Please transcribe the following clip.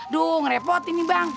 duh ngerepotin nih bang